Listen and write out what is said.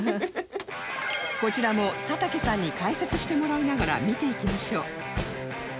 こちらも佐竹さんに解説してもらいながら見ていきましょう